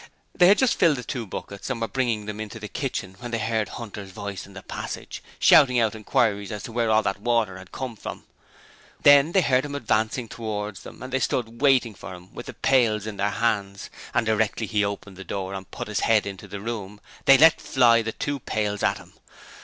They had just filled the two buckets and were bringing them into the kitchen when they heard Hunter's voice in the passage, shouting out inquiries as to where all that water came from. Then they heard him advancing towards them and they stood waiting for him with the pails in their hands, and directly he opened the door and put his head into the room they let fly the two pails at him.